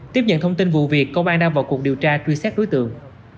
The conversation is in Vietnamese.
tiếp nhận thông tin vụ việc công an đang vào cuộc điều tra truy xét đối tượng